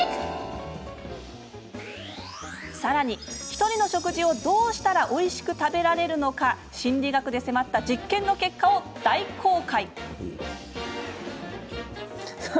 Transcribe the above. さらにひとりの食事をどうしたらおいしく食べられるか心理学で迫った実験の結果を大公開。